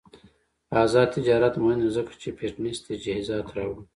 آزاد تجارت مهم دی ځکه چې فټنس تجهیزات راوړي.